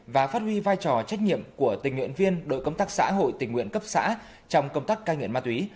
và phát huy vai trò trách nhiệm của tình nguyện viên đội công tác xã hội tình nguyện cấp xã trong công tác cai nghiện ma túy